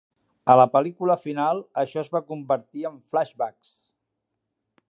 A la pel·lícula final, això es va convertir en 'flashbacks'.